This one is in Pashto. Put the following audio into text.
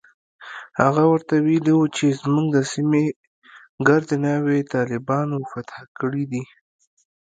هغه ورته ويلي و چې زموږ د سيمې ګردې ناوې طالبانو فتح کړي دي.